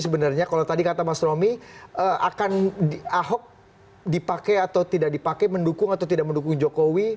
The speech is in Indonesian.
sebenarnya kalau tadi kata mas romi akan ahok dipakai atau tidak dipakai mendukung atau tidak mendukung jokowi